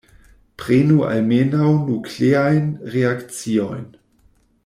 Prenu almenaŭ nukleajn reakciojn.